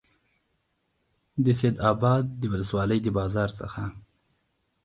د سیدآباد د ولسوالۍ د بازار څخه